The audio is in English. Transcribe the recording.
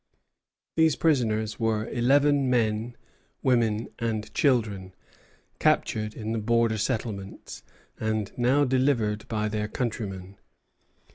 These prisoners were eleven men, women, and children, captured in the border settlements, and now delivered by their countrymen.